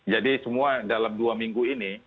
jadi semua dalam dua minggu ini